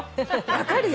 分かるよ。